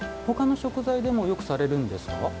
ほかの食材でもよくされるんですか？